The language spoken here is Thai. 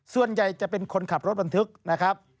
ส่วนใหญ่จะเป็นคนขับรถบรรทุกนะครับ